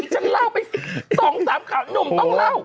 ฉันเล่าไป๒๓ข่าวหนุ่มต้องเล่า